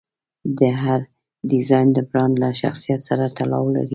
هر ډیزاین د برانډ له شخصیت سره تړاو لري.